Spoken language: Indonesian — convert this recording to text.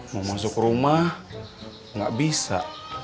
mau masuk rumah nggak bisa